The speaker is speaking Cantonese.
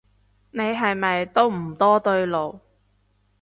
你係咪都唔多對路